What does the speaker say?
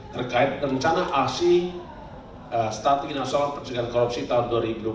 terkait rencana aksi stranas pk